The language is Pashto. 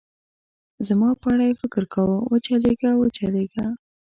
زما په اړه یې فکر کاوه، و چلېږه، و چلېږه.